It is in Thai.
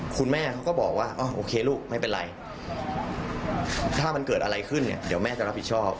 คุณแม่เขาก็บอกว่าโอเคลูกไม่เป็นไรถ้ามันเกิดอะไรขึ้นเนี่ยเดี๋ยวแม่จะรับผิดชอบ